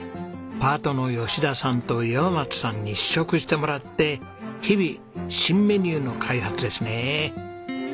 パートの吉田さんと岩松さんに試食してもらって日々新メニューの開発ですね。